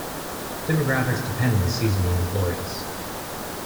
Demographics depend on the seasonal employees.